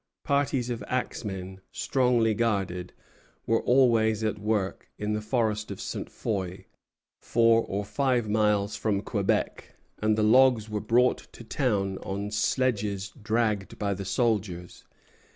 Parties of axemen, strongly guarded, were always at work in the forest of Ste. Foy, four or five miles from Quebec, and the logs were brought to town on sledges dragged by the soldiers.